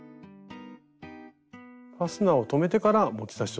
ファスナーを留めてから持ち出しを留めるんですね。